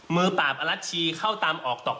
มือปราบอลัชชีเข้าตามออกตก